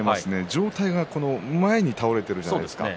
上体が前に倒れているじゃないですか。